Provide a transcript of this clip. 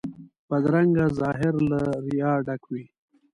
بدرنګه ظاهر له ریا ډک وي